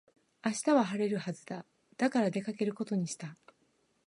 明日は晴れるはずだ。だから出かけることにした。